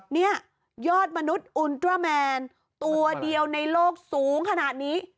เนี่ยยอดมนุษย์อุลตราแมนตัวเดียวในโลกสูงขนาดนี้